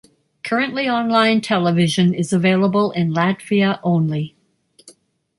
Currently Online television is available in Latvia only.